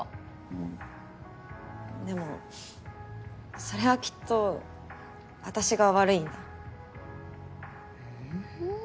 うんでもそれはきっと私が悪いんだうん